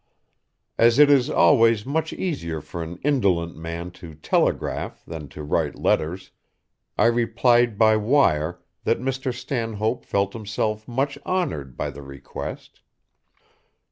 As it is always much easier for an indolent man to telegraph than to write letters, I replied by wire that Mr. Stanhope felt himself much honored by the request.